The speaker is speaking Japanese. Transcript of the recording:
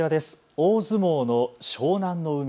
大相撲の湘南乃海。